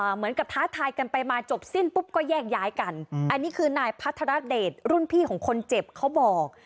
เหมือนกับท้าทายกันไปมาจบสิ้นปุ๊บก็แยกย้ายกันอันนี้คือนายพัทรเดชรุ่นพี่ของคนเจ็บเขาบอก